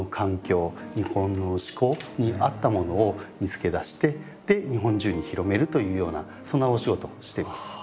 日本の嗜好に合ったものを見つけ出して日本中に広めるというようなそんなお仕事をしてます。